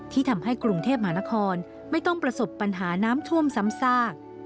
ทำให้กรุงเทพมหานครไม่ต้องประสบปัญหาน้ำท่วมซ้ำซาก